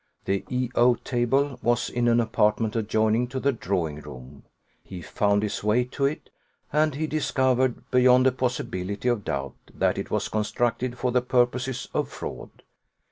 The E O table was in an apartment adjoining to the drawing room: he found his way to it; and he discovered, beyond a possibility of doubt, that it was constructed for the purposes of fraud.